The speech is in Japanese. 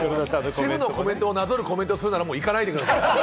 シェフのコメントをなぞるコメントするだけなら、もう行かないでください。